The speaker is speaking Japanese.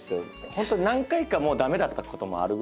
ホント何回か駄目だったこともあるぐらい